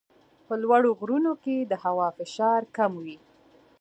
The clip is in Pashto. په لوړو غرونو کې د هوا فشار کم وي.